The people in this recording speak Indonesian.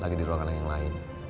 lagi di ruangan yang lain